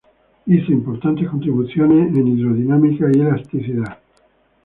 Hizo importantes contribuciones en hidrodinámica y elasticidad.